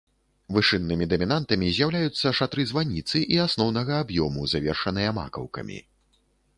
Вышыннымі дамінантамі з'яўляюцца шатры званіцы і асноўнага аб'ёму, завершаныя макаўкамі.